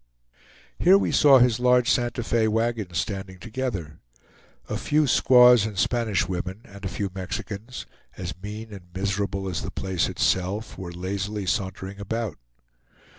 Here we saw his large Santa Fe wagons standing together. A few squaws and Spanish women, and a few Mexicans, as mean and miserable as the place itself, were lazily sauntering about.